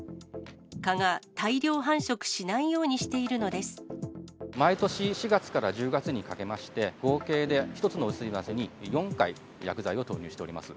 蚊が大量繁殖しないようにしてい毎年４月から１０月にかけまして、合計で１つの雨水ますに４回、薬剤を投入しております。